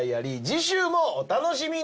次週もお楽しみに！